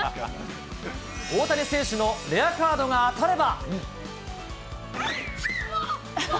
大谷選手のレアカードが当たれば。